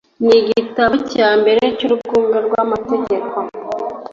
n igitabo cya mbere cy urwunge rw amategeko